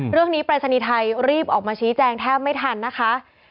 ปรายศนีย์ไทยรีบออกมาชี้แจงแทบไม่ทันนะคะ